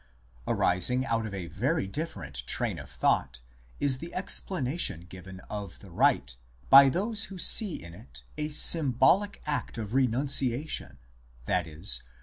Arising out of a very different train of thought is the explanation given of the rite by those who see in it a sym bolic act of renunciation, i.e.